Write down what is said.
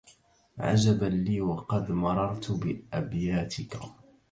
عجبا لي وقد مررت بأبياتك